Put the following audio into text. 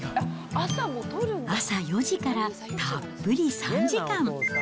朝４時からたっぷり３時間。